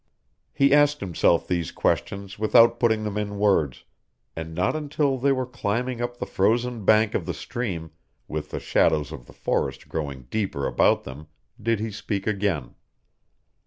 He asked himself these questions without putting them in words, and not until they were climbing up the frozen bank of the stream, with the shadows of the forest growing deeper about them, did he speak again.